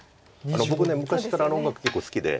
僕昔からあの音楽結構好きで。